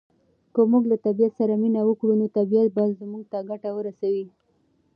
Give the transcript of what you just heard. که موږ له طبعیت سره مینه وکړو نو طبعیت به موږ ته ګټه ورسوي.